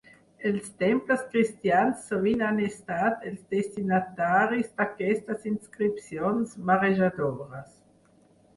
Els temples cristians sovint han estat els destinataris d'aquestes inscripcions marejadores.